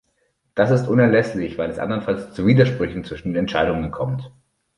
Das ist unerlässlich, weil es andernfalls zu Widersprüchen zwischen den Entscheidungen kommt.